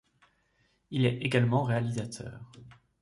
Il est également réalisateur.